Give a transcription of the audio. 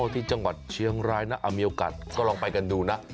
ที่จังหวัดเชียงรายนะมีโอกาสก็ลองไปกันดูนะ